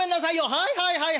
「はいはいはいはい。